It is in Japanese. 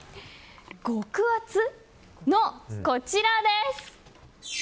極厚のこちらです。